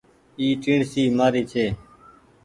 اي ٽيڻسي مآري ڇي۔